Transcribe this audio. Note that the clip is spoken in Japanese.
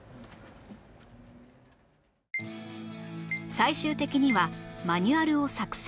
最終的にはマニュアルを作成